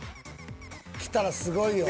きたらすごいよ。